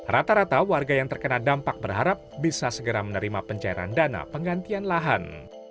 rata rata warga yang terkena dampak berharap bisa segera menerima pencairan dana penggantian lahan